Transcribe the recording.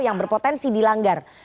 yang berpotensi dilanggar